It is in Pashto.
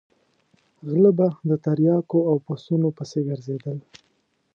غله به د تریاکو او پسونو پسې ګرځېدل.